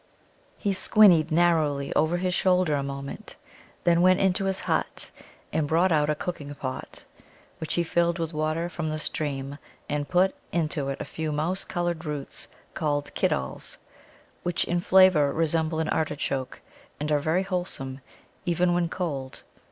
He squinnied narrowly over his shoulder a moment, then went into his hut and brought out a cooking pot, which he filled with water from the stream, and put into it a few mouse coloured roots called Kiddals, which in flavour resemble an artichoke, and are very wholesome, even when cold.